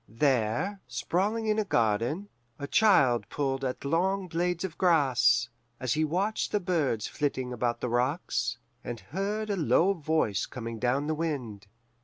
There, sprawling in a garden, a child pulled at long blades of grass, as he watched the birds flitting about the rocks, and heard a low voice coming down the wind.